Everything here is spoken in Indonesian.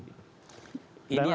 ini yang saya ingin tahu